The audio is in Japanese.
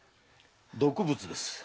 毒物です。